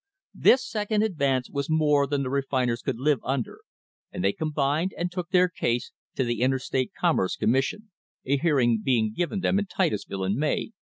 This second advance was more than the refiners could live under, and they com bined and took their case to the Interstate Commerce Com mission, a hearing being given them in Titusville in May, 1889.